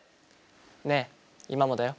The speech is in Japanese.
「ねぇ、今もだよ」。